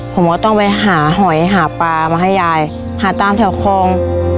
ผมก็ต้องไปหาหอยหาปลามาให้ยายหาตามแถวคลอง